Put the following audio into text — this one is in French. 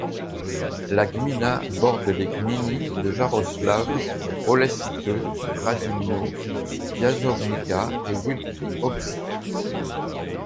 La gmina borde les gminy de Jarosław, Oleszyce, Radymno, Wiązownica et Wielkie Oczy.